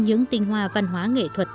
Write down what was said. những tinh hoa văn hóa nghệ thuật